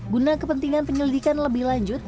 guna kepentingan penyelidikan lebih lanjut